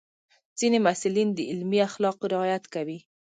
ځینې محصلین د علمي اخلاقو رعایت کوي.